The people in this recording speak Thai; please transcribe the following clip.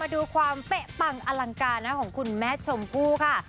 ดูความเป๊ะปังอลังการของคุณแม่ชมพู่ค่ะ